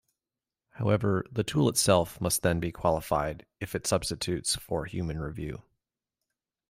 However, the tool itself must then be qualified if it substitutes for human review.